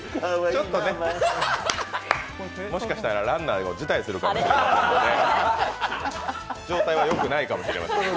ちょっとねもしかしたらランナーを辞退するかもしれない、状態がよくないかもしれませんね。